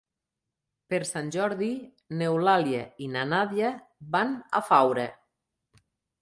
Per Sant Jordi n'Eulàlia i na Nàdia van a Faura.